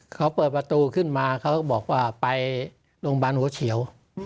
เขาเปิดประตูขึ้นมาเขาก็บอกว่าไปโรงพยาบาลหัวเขียว